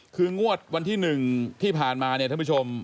คืองวดวันที่๑ที่ผ่านมาเนี่ยท่านผู้ชม